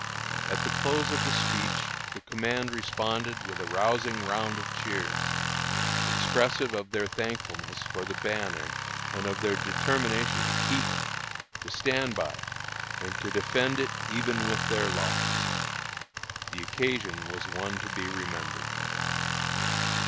At the close of the speech the command responded with a rousing round of cheers, expressive of their thankfulness for the banner and of their determination to keep it, to stand by it, and to defend it even with their lives. The occasion was one to be remembered.